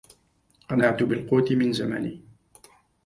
قنعت بالقوت من زماني